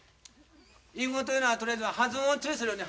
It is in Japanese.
英語というのは取りあえず発音を注意するように。